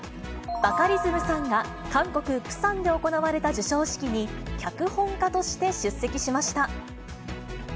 バカリズムさんが、韓国・プサンで行われた授賞式に、脚本家として出席しました。